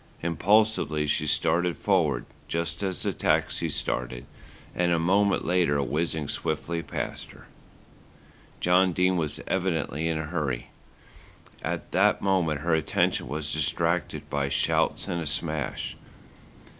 Impulsively she started forward, just as the taxi started and a moment later whizzed swiftly past her. John Dene was evidently in a hurry. At that moment her attention was distracted by shouts and a smash.